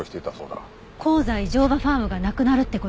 香西乗馬ファームがなくなるって事？